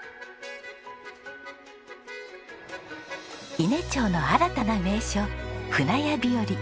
伊根町の新たな名所舟屋日和。